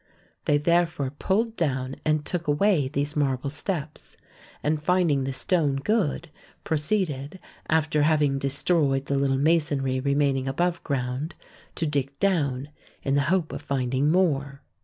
They there fore pulled down and took away these marble steps, and, finding the stone good, proceeded, after having destroyed the little masonry remaining above ground, to dig down, in the hope of finding more.